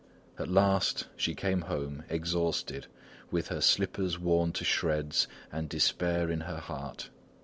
At last she came home, exhausted, with her slippers worn to shreds, and despair in her heart.